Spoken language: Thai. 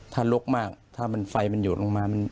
ถ้าลกมากถ้าไฟมันหยดลงมา